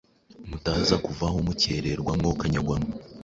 Mutaza kuvaho mukererwa mwokanyagwa mwe!